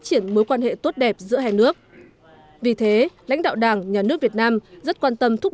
triển mối quan hệ tốt đẹp giữa hai nước vì thế lãnh đạo đảng nhà nước việt nam rất quan tâm thúc